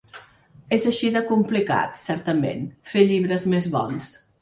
És així de complicat, certament: fer llibres més bons.